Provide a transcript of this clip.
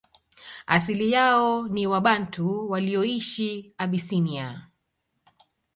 Asili yao ni Wabantu walioishi Abysinia